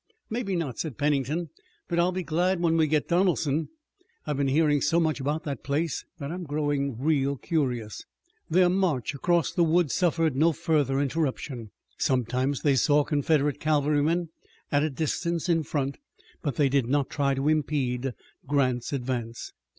"Maybe not," said Pennington, "but I'll be glad when we get Donelson. I've been hearing so much about that place that I'm growing real curious." Their march across the woods suffered no further interruption. Sometimes they saw Confederate cavalrymen at a distance in front, but they did not try to impede Grant's advance.